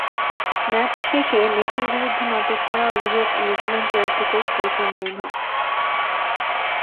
ম্যাচশেষে মেসির বিরুদ্ধে নাটক করার অভিযোগ এনেছিলেন চেলসি কোচ হোসে মরিনহো।